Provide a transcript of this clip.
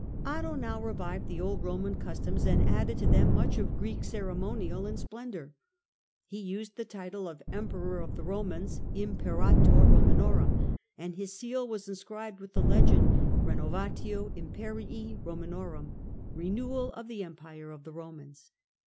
Otto now revived the old Eoman customs and added to them much of Greek ceremonial and splendour. He used the title of " Emperor of the Komans" {Imperator Romanorum), and his seal was inscribed with the legend, "Eenovatio Imperii Eoman orum" {Renewal of the Empire of the Romans).